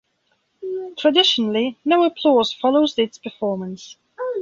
Traditionally, no applause follows its performance.